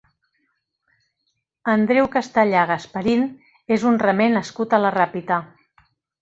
Andreu Castellà Gasparin és un remer nascut a la Ràpita.